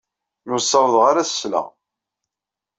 Ur ssawḍeɣ ara ad s-sleɣ.